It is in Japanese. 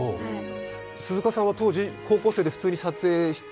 鈴鹿さんは当時、高校生で普通に撮影してて？